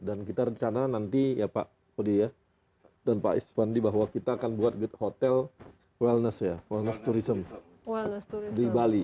dan kita rencana nanti ya pak kody ya dan pak ispandi bahwa kita akan buat hotel wellness ya wellness tourism di bali